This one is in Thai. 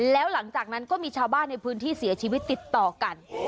แล้วหลังจากนั้นก็มีชาวบ้านในพื้นที่เสียชีวิตติดต่อกัน